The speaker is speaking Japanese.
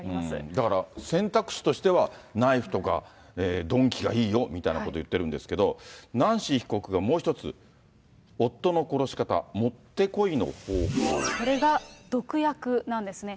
だから選択肢としては、ナイフとか鈍器がいいよみたいなことを言ってるんですけど、ナンシー被告がもう一つ、夫の殺し方、それが毒薬なんですね。